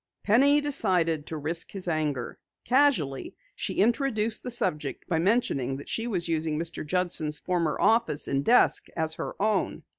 Penny decided to risk his anger. Casually she introduced the subject by mentioning that she was using Mr. Judson's former office and desk as her own.